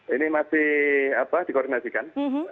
ini masih dikoordinasikan